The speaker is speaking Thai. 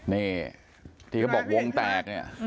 นี่ที่เขาบอกวงแตกเนี่ย